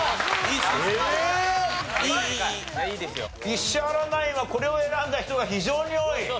石原ナインはこれを選んだ人が非常に多い！